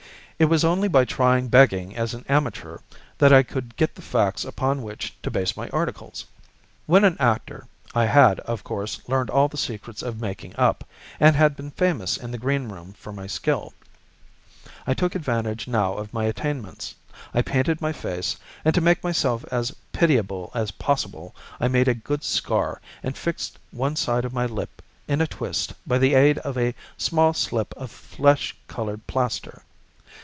It was only by trying begging as an amateur that I could get the facts upon which to base my articles. When an actor I had, of course, learned all the secrets of making up, and had been famous in the green room for my skill. I took advantage now of my attainments. I painted my face, and to make myself as pitiable as possible I made a good scar and fixed one side of my lip in a twist by the aid of a small slip of flesh coloured plaster.